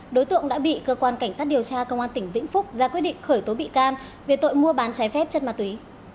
đối tượng đã bị cơ quan cảnh sát điều tra công an tỉnh vĩnh phúc ra quyết định khởi tố bị can về tội mua bán trái phép chất ma túy